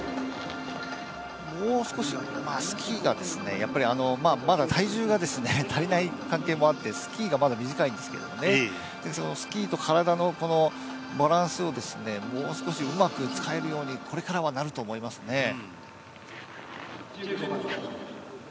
もう少し、スキーがまだ体重が足りない関係もあってスキーがまだ短いんですけどスキーと体のバランスをもう少しうまく使えるようにこれからはなると思いますね。